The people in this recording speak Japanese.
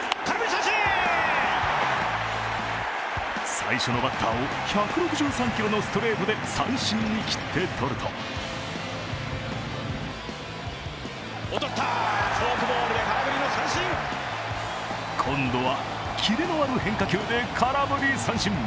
最初のバッターを１６３キロのストレートで三振に斬ってとると今度はキレのある変化球で空振り三振。